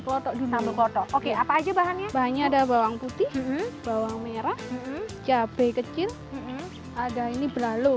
kotor kotor oke apa aja bahannya banyak ada bawang putih bawang merah cabe kecil ada ini berlalu